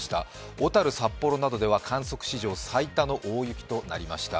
小樽・札幌などでは観測史上最多の大雪となりました。